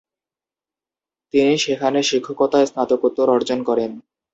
তিনি সেখানে শিক্ষকতায় স্নাতকোত্তর অর্জন করেন।